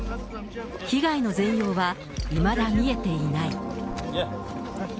被害の全容はいまだ見えていない。